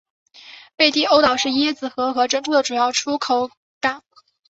贝蒂欧岛是椰子核和珍珠的主要出口港。